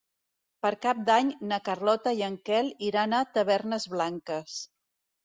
Per Cap d'Any na Carlota i en Quel iran a Tavernes Blanques.